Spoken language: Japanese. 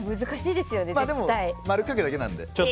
でも丸くかけるだけなので。